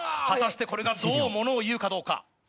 果たしてこれがどうものを言うかどうか。